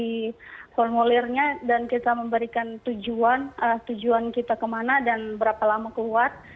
jadi formulirnya dan kita memberikan tujuan tujuan kita kemana dan berapa lama keluar